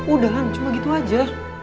udah kan cuma gitu aja